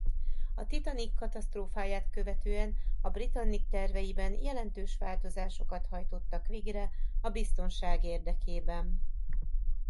A Titanic katasztrófáját követően a Britannic terveiben jelentős változásokat hajtottak végre a biztonság érdekében.